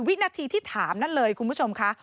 วินาทีที่ถามนั่นเลยคุณผู้ชมค่ะ